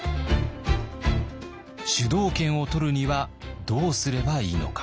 主導権を取るにはどうすればいいのか。